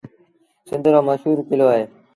سنڌ رو مشهور ڪلو اهي۔